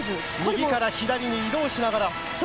右から左に移動しながら。